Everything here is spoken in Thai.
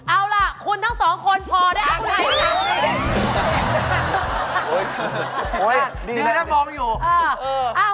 เอาล่ะคุณทั้ง๒คนพอได้อันไหน